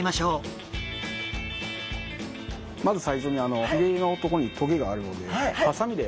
まず最初に鰭のとこに棘があるのでハサミで。